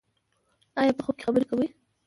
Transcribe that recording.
ایا په خوب کې خبرې کوئ؟